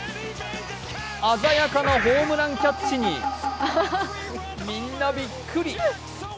鮮やかなホームランキャッチにみんなびっくり。